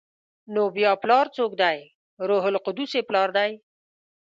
نو بیا پلار څوک دی؟ روح القدس یې پلار دی؟